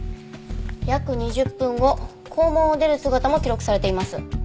約２０分後校門を出る姿も記録されています。